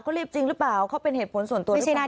ก็รีบจริงหรือเปล่าเขาเป็นเหตุผลส่วนตัวหรือเปล่า